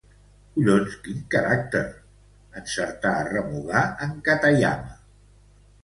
Collons, quin caràcter! —encertà a remugar en Katayama.